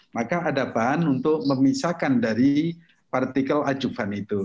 maka ada bahan untuk memisahkan dari partikel ajuvan itu